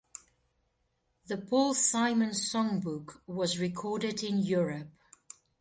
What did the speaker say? "The Paul Simon Songbook" was recorded in Europe.